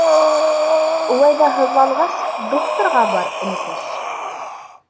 — Улай ҙа һыҙланғас, духтырға бар, энекәш.